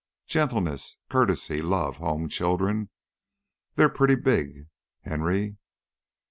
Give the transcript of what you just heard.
Gentleness, courtesy, love, home, children: they're pretty big, Henry.